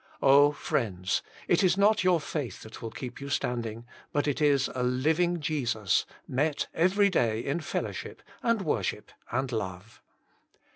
" Oh, friends, it is not your faith that will keep you standing, but it is a living Jesus, met *pen3 J>ai2 in tellowabfp and worship and love.